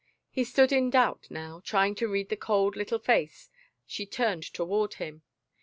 He stood in doubt now, trying to read the cold little face she turned toward him.